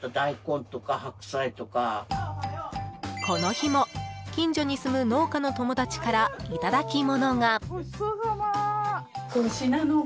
この日も、近所に住む農家の友達からいただきものが。